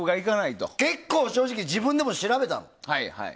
結構、自分でも調べたの。